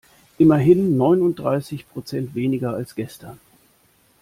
Immerhin neununddreißig Prozent weniger als gestern.